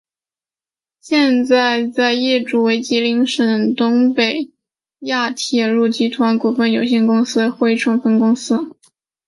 现在业主为吉林省东北亚铁路集团股份有限公司珲春分公司。